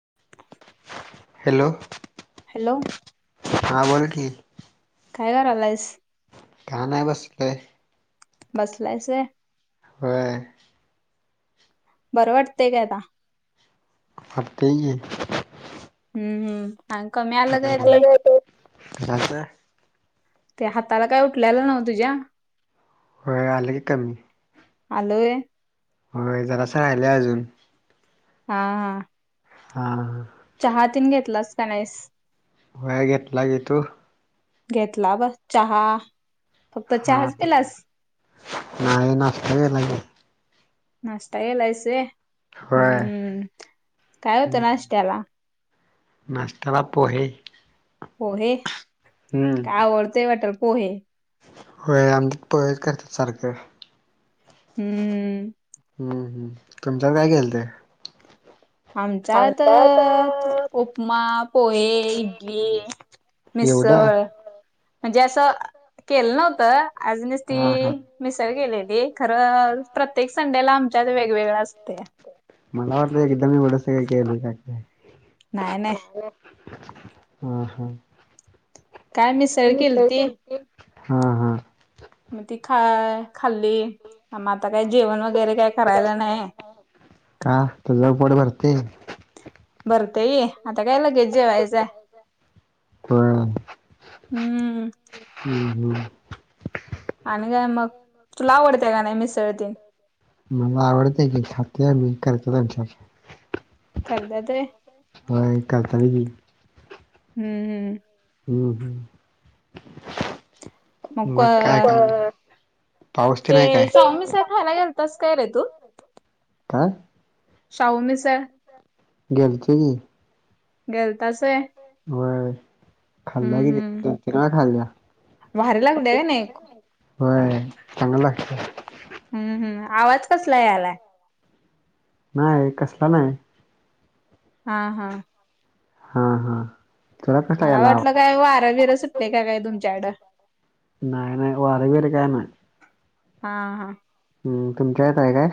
[inaudible] Hello hello हा बोल की. काय करा आलायस. काण आहे बसलोय. बसलायस होय. होय. बरं वाटतंय काय आता. फुगतंय की. हम्म हम्म. ह कमी आलं. काय आल ते नाही टेस्ट. ते हाताला काय उठल्यालं नव्ह तुझ्या. होळ आल की कमी. आलं होय. होय जरास राहिले अजून. हा हा, हा, चहा तीन घेतलास का नाहीस. होय घेतला ग तू. घेतला ब चहा फक्त हा चहाच पिलास. नाही नाष्टा घेतला की. नाष्टाला यसेे होय हम्म का होत नाष्टयाला. नास्ताला पोहेे. पोहे. हम्म. आवडतंय वाटल पोहे. होय आमच्या पोहेच करतात सारखं. हम्म. हम्म हम् तुमच्यात काय केेल ते. आमचा त उपमा पोहे इडली. एवढं मिसळ म्हणजे असं केलं नव्हतं अजूनच ती. हा हा मिसळ गेलेली खरं प्रत्येक संडेला आमच्या वेगवेगळ असतेया. मला वाटत एकदम एवढं सगळं केलं काय नाय नाय. ह ह, काय मिसळ केलती हा हा, मग ती खा खाल्ली आता काही जेवण वगैरे काय करायला नाही. का तुझं पोट भरतेय. बरतेय ई. आता काय लगेच जेवायचंय हाय हम्म. हम् हम्. आणि काय मग तुला आवडते का नाही मिसळते न. मला आवडत्या की खातोय मी करतो आच्यात. करत्यात होय. होय करत्यात की. हम्म हम्म. हम्म, मग काय. पाऊस तेन ते हाय काय? शाहूमिसळ खायला घालतास काय रे तू? काय. शाहू मिसळ. गेल तो की. गेलताच होय. होय. खाल्ला की, हम्म दोन-तीन वेळा खाल्या. भारी लागल्या का नाही होय, चांगलं लागत. हम्म, हम् आवाज कसला यायलाय. नाही, कसला नाही. हा हा. हा हा. तुला कसला मला गेला? वाटलं काय वार-बीर सुटलय काय तुमच्याकडं. नाय-नाय वारबीर काय नाय. हा-हा हम, तुमच्या इथ आहे काय?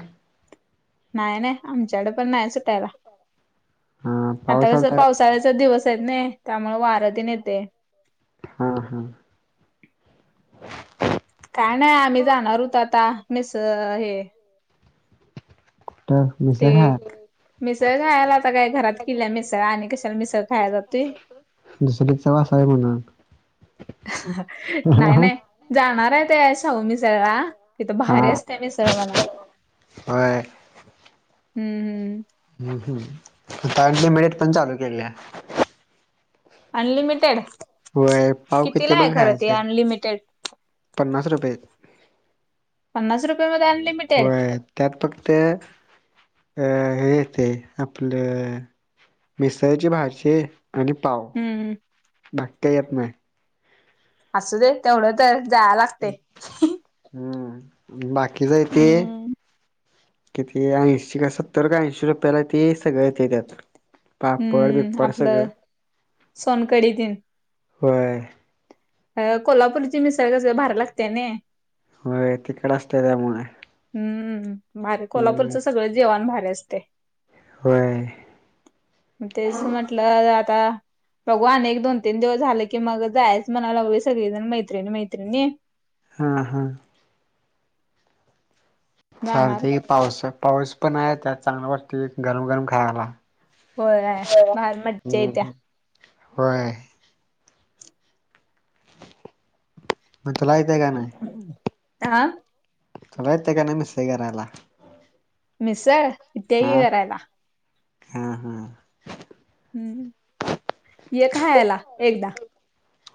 नाही-नाही आमच्याकडे पण नाही सुटायला, हा पाऊस आता कस आलता काय? पावसाळ्याचा दिवस. नाही. त्यामुळे वारतीन येते. हा हा. [inaudible] काय नाही. आम्ही जाणार होत. आता मीस हे कुठं ते, मिसळ खायाला? मिसळ खायला आता काय घरात केला मिसळ आणि कशाला मिसळ खायला जातोय. दुसरी चव असाय म्हणा. नाही-नाही जाणार आहे ते शाहू मिसळ ला. तिथं भारी हा. असत्या मिसळ वाला, होय हम्म-हम्म. हम् हम्, तिथ अनलिमिटेड पण चालू केली आहे. अनलिमिटेड.. ! होय पाव किती पण खायच, अनलिमिटेड पन्नास रुपयत. पन्नास रुपया मध्ये अनलिमिटेड. त्यात फक्त अ हे येते आपलं मिसळची भाजी आणि पाव. हम्. बाकी काय यत नाही. असू दे तेवढं तर जाय लागते. हम्म, बाकीचाय ते. हम्म किती, ऐंशी का सत्तर का ऐंशी रुपयाला ते सगळं येतंय त्यात. पापड हम्म, बिपड सगळं आपलं सोनकडी तेन. होय कोल्हापूरची मिसळ कस भारी लागत्या नि. होय तिकट असते त्यामुळे. हम्म, भार कोल्हापूरच हम्म सगळ जेवाण भारी असते. होय. मग तेच म्हटलं आता बघू अनेक दोन-तीन दिवस झाले की मग जायच म्हणालोय सगळीजण मैत्रिणी मैत्रिणी. हा हा. जाणार चालतंय पाऊस पाऊस पण आहे त्यात चांगलं वाटते गरम गरम खायला होय भारी मज्जा येत्या हम्म होय मग चलायच का नाही? [unintelligible] तुला येत का नाही मिक्स करायला मिसळ इत्याग हा करायला. हा हा हम्म ये खयाला एकदा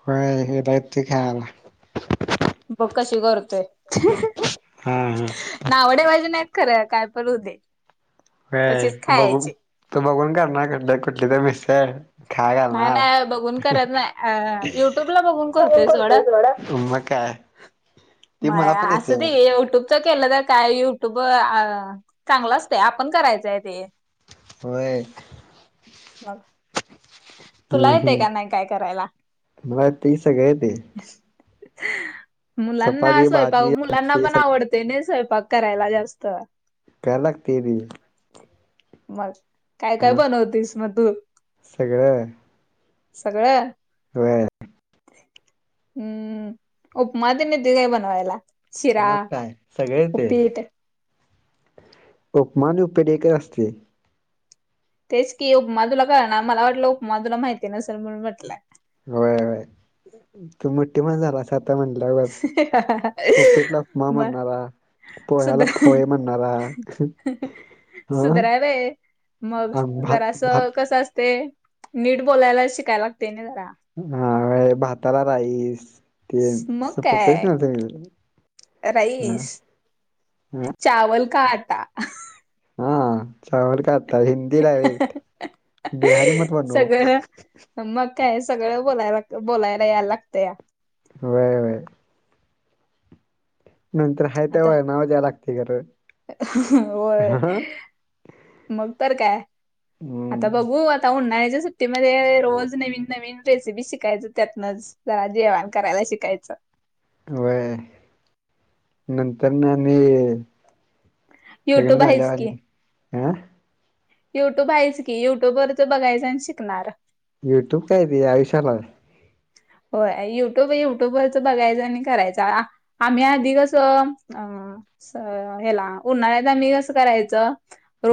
होय एकदा येतो कि खायला बघ कशी करतोय हा हा. नाव ठेवायचं नाही आहेत खरं काय पणू दे तसेच का बघ खायचे. तू बघून करणार कुठली तर मिसळ खायला नाही घालणार नाही बघून करत नाही अ युट्यूबला बघून करतोय सोड. करत मग काय ती मला पण मग असं येते दे मग. युट्युब मुळे केलं तर काय युट्यूब चांगला असतं आपण करायचंय ते होय मग तुला हम्म येतंय हम्म का नाही काय करायला? मला ते सगळं येतोय मुलांना चपाती, स्वयंपाक भाजी, मुलांना आमटी पण सगळं आवडत तेने स्वयंपाक करायला जास्त करायला लागतं बाई मग काय काय हा बनवतीस मग तू सगळं सगळं होय हम्म उपमातेन येते काय बनवायला? शिरा, मग काय सगळे ते उपीट उपमा उपेडेकर असते. तेच की उपमा तुला मला वाटलं उपमा तूला माहिती नसलं म्हणून म्हटलंय. होयय तू मोठी पण झाला असं आता म्हण र पटला मा मग म्हनणार [unintelligible] पोहेला सुधर फोहे म्हनणारा सुधरावे मग भात जरा असं भात कसं असतेय नीट बोलायला शिकायला लागते ना जरा हा भाताला राईस ते अस मग प्रफेशन काय ह [unintelligible] राईस चावल का आटा हा चल काता हिंदी डयरेक्ट बिहारी मत बण [unintelligible] सगळं मग काय सगळं बोलायला बोलायला यायला लागतं या होय नंतर हाय त्या आता वळणावर याव लागते खरं होय हा मग तर काय आता हम्म बघू आता उन्हाळ्याच्या सुट्टीमध्ये रोज नवीन नवीन रेसिपी शिकायचं त्यातन जरा जेवाण करायला शिकायचं होय नंतर ना आणि लग्न युट्यूब आहेच की झाल्यावर युट्यूब आहेयचं की युट्यूब वरच बघायचं आणि शिकणार. युट्यूब काय र आयुष्याला? होय युट्यूब युट्यूब वरच बघायचं आणि करायचं आम्ही आधी कसं अ स हेला उन्हाळ्यात आम्ही कसं करायचं.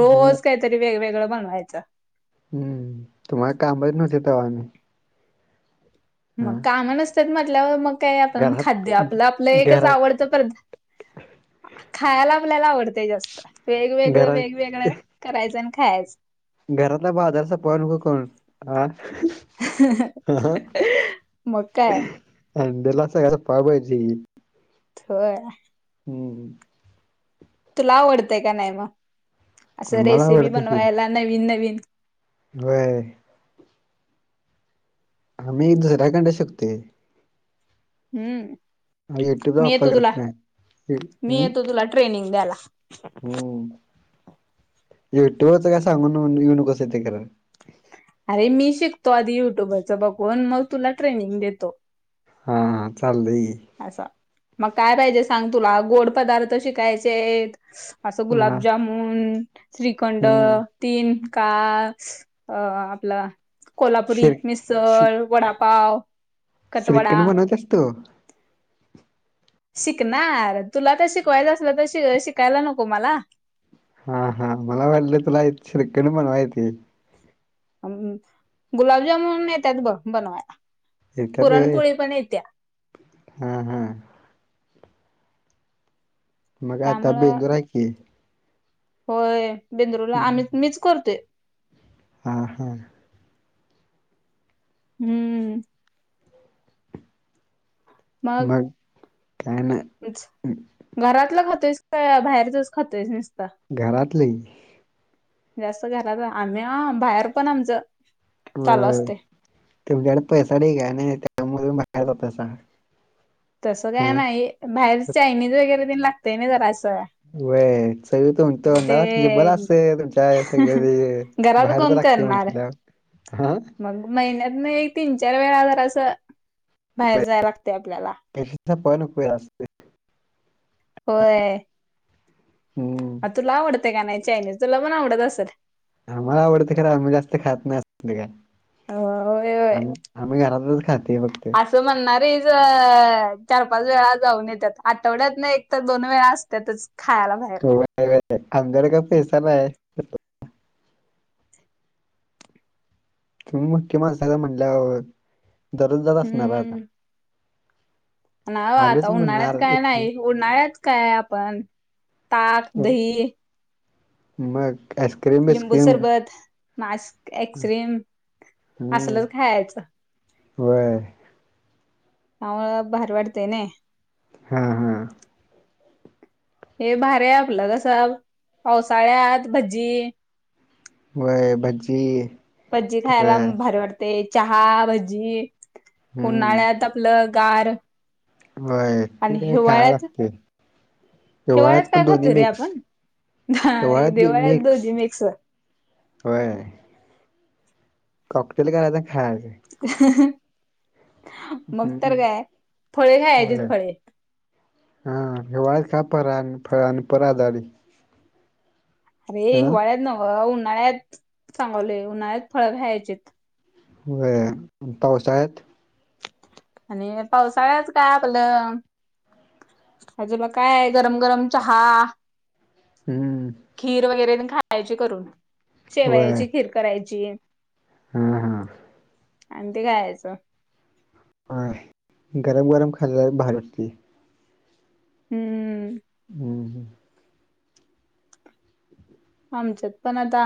हम्म कायतरी वेगवेगळं बनवायचं. हम्म, तुम्हाला कामच नव्हती तवा आणि. मग काम नसत्यात म्हटल्यावर मग काय आपण खाद्य घरात आपलं आपलं एकच घरा आवडतं पदा खायला आपल्याला आवडतय जास्त, वेगवेगळं घरा वेगवेगळं, करायचं अन खायचं. घरातला बाजार सपवाय नको खाऊन, आ अहं, मग काय अंडला सगळ सपवाय पाहिजे. होय. हम्म. तुला आवडतंय का नाही म, असं आम्हाला रेसिपी आवडते की बनवायला नवीन नवीन. व्हय. आम्ही दुसऱ्याकंड शिकतोय. हम्म, युट्यूबचा मी वापर येतो तुला, करत नाही. यु- मी हम्म येतो तुला ट्रेनिंग द्याला. हम्म, युट्यूवरच काय सांगून येऊ नू कसं ईत खर. अरे मी शिकतो आधी युट्यूबरच बघुन मग तुला ट्रेनिंग देतो. हां हां चालयकी. असा, मग काय पाहिजे सांग तुला गोड पदार्थ शिकायची हाईत. असं हा गुलाबजामुन, श्रीखंड हम्म तीन का अ आपलं कोल्हापुरी श्री श्री मिसळ, वडापाव. कटवडा श्रीखंड बनवत्यास तु? शिकणार तुला तर शिकवायचं असल तर शि - शिकायला नको मला. हा हा मला वाटलं तुला श्रीखंड बनवा येतंय. अम, गुलाबजामुन येत्यात ब बनवायला. येत्यात व्हय, पुरणपोळी पण येत्या हा हा मग आता त्यामुळं बेंदूर हाय की. होय बेंदरूला आम्ही मीच करतोय. हा हा. हम्म. मग, काय नाय. उच, घरातलं खातोईस का बाहेरचच खातोईस निसता. घरातली. जास्त घरात आम्हीया बाहेर पण आमच, चालू असतय. तुमच्याकड पैसा ढीग हाय नई त्यामुळे तुम्ही बाहेर जातासा. तसं काय हां. नाही बाहेरच चायनीज वगैरे तेन लागतय नई जरासं. व्हय सगळ तो- तोंडाला जीभेला ते असंय तुमच्या सगळ घरात बाहेरच कोण लागतय करणार म्हटल, हा. मग महिन्यात एक तीन चार वेळा जर असं, बाहेर जाय लागतय आपल्याला. पन पे असुदे. होय. हं. आ तुला आवडतय का नाही चानीज तुला पण आवडत असल. आम्हाला आवडतंय खर आम्ही जास्त खात नाही. होय [unintelligible] होय आम- आम्ही घरातलच खातोय फक्त. त म्हणणारी चार पाच वेळा जाऊन येतात आठवड्यात ना एक तर दोन वेळा असतातच खायला भहि अंधर का पैसा नाही आहे तुम्ही मुख्य माणसाला म्हणल्या दररोजजात असणार आता ना आता आलेच उन्हाळ्यात म्हणणार काय इथनं. नाही उन्हाळ्यात काय आपण ताक हं. दही मग अस लिंबू सरबत मास्क एक्रीम असलच खायचं वर ह भार वाडतेने. हा हा. हे भार आपलं कसं पावसाळ्यात भजी. वय भाजजी पर. ते चहा भजी हम्म उन्हाळ्यात आपलं गार. होय ती आणि काय खाव हिवाळ्यात लागते. हिवाळ्यात पण काय दोन्ही खातो रे मिक्स आपण हिवाळ्यात मिक्स. होय. कॉक तेल ग तर खायचे. मग हम्म तर काय फळे काय याचीच होय फळे. हा हिवाळच खाप फळ पररा धाडी. अरे हिवाळ्यात नवं उन्हाळ्यात सांगवले उन्हाळ्यात फळं घ्यायचेत. व पाऊस आहेत. आणि पावसाळ्याच काय आपलं. हजे ब काय गरम गरम चहा हं, खीर वगैरे खा करून शेवयाची खीर करायची. हम हम. आणि ते का यायचं. हा गरम गरम खाल्ला बाहेर वाटते. हम्म. हम्म हम [unintelligible] आमच्यात पण आता,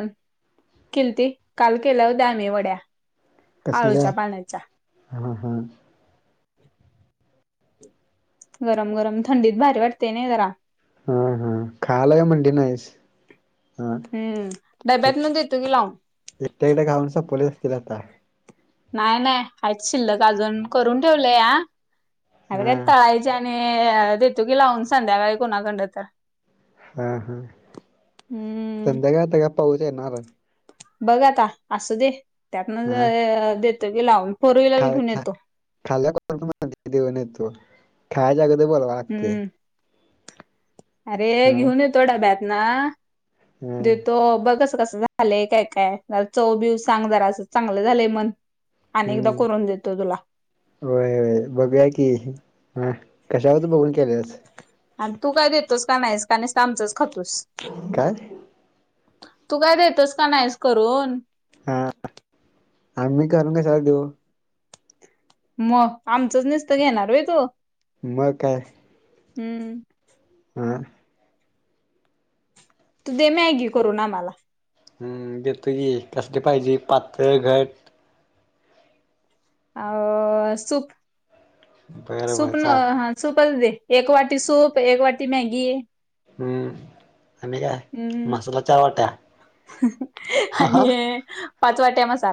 अ किलती काल केल्या हो द्या आम्ही वड्या. कसल्या आळूच्या पाण्याच्या हा हा. गरम गरम थंडीत भारी वाटते नाही जरा. हा हा खालाय म्हणडी नाहीस. हां. हम्म डब्यात म्हण देतो गी लावून. एकट्याकडे्या गाऊन सपोलेच असतील आता. नाही नाही हच शिल्लक अजून करून ठेवलंय, ह अर हां, त. ने देतो की लावून संध्याकाळी कुणाकड तर. हा हा हम्म संध्याकाळता का पाहच येणार. बघ आता असू दे त्यातन हां. देत की लावून. फोर व्हीलर खा घेऊन येतो खाल्ला देऊन तू खायचग ते बोलवा. हम्म. अरे हां, घेऊन येतो डाब्यात ना हां. देतो बघस कस झा झालेय काय काय, ज चव बिीव सांग जरा असं, चांगलं झालंय मन. अनेकदा करून देतो तुला. होय होय बघूया की ह कशावरत बघून केलेस. आणि तू काय देतोस का नाहीस का निस्ता आमचंच खातोस. काय तू काय देतोस का नाहीस करून? आम्ही करून कशाला देऊ? म आमचंच निस्ता घेणार होय तो. मग काय हम्म. हां. तू दे मॅगीव. करून आम्हाला. हम्म देतो की कसले पाहिजे पातळ, घट आव सूप बरं बर सूप ना चालतंय हा सूपच दे एक वाटी सूप, एक वाटी मॅगी. हम्म आणि काय हम्म मसाला चार वाट्या? हा हा आणि ये पाच वाट्या मसाला.